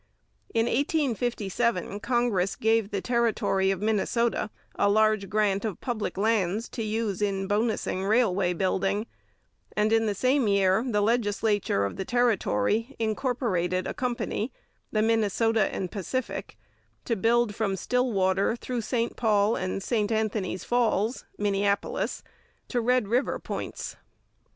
In 1857 Congress gave the territory of Minnesota a large grant of public lands to use in bonusing railway building, and in the same year the legislature of the territory incorporated a company, the Minnesota and Pacific, to build from Stillwater through St Paul and St Anthony's Falls (Minneapolis) to Red River points.